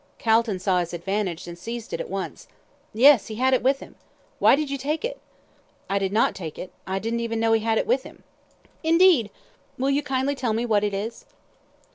Calton saw his advantage, and seized it at once. "Yes, he had it with him. Why did you take it?" "I did not take it. I didn't even know he had it with him." "Indeed! Will you kindly tell me what 'it' is."